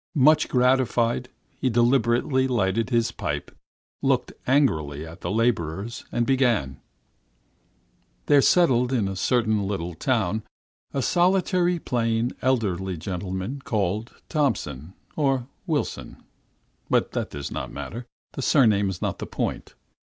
Much gratified, he deliberately lighted his pipe, looked angrily at the laborers, and began: "There settled in a certain little town a solitary, plain, elderly gentleman called Thomson or Wilson but that does not matter; the surname is not the point.